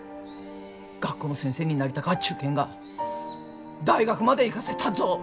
学校の先生になりたかっち言うけんが大学まで行かせたっぞ。